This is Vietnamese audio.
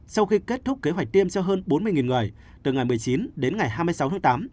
sau khi kết thúc kế hoạch tiêm cho hơn bốn mươi người từ ngày một mươi chín đến ngày hai mươi sáu tháng tám